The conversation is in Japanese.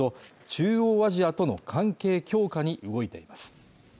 中央アジアとの関係強化に動いています。